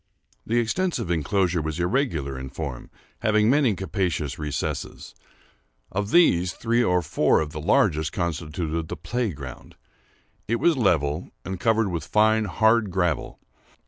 The extensive enclosure was irregular in form, having many capacious recesses. Of these, three or four of the largest constituted the play ground. It was level, and covered with fine hard gravel.